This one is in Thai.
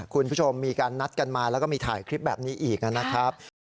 คุณผู้ชมมีการนัดกันมาแล้วก็มีถ่ายคลิปแบบนี้อีกนะครับ